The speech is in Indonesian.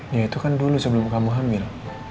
ya itu kan dulu sebelum kamu hamil